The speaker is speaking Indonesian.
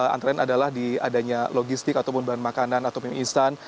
antara lain adalah di adanya logistik ataupun bahan makanan atau mie instan